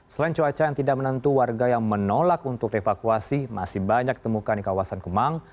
selain cuaca yang tidak menentu warga yang menolak untuk evakuasi masih banyak ditemukan di kawasan kemang